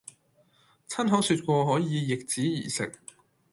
親口説過可以「易子而食」；